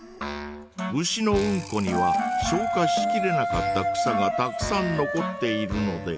ウシのうんこには消化しきれなかった草がたくさん残っているので。